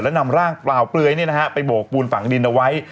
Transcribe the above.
และนำร่างเปล่าเปลืยไปโบกปูลฝั่งดินไว้